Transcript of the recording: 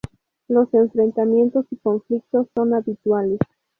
Los enfrentamientos y conflictos son habituales.